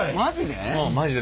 マジで？